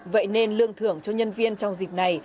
vậy nên lương thưởng cho nhân viên trong dịp này